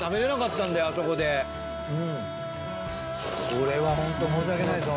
これはホント申し訳ないです